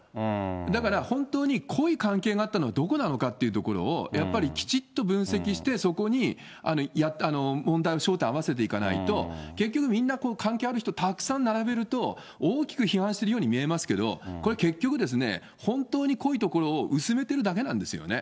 だから、本当に濃い関係があったのはどこなのかっていうところをやっぱりきちっと分析して、そこに問題の焦点合わせていかないと、結局、みんな関係ある人たくさん並べると、大きく批判してるように見えますけど、これ結局ですね、本当に濃いところを薄めてるだけなんですよね。